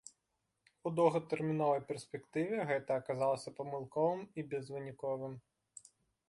У доўгатэрміновай перспектыве гэта аказалася памылковым і безвыніковым.